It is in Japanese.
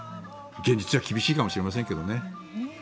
現実は厳しいかもしれませんけどね。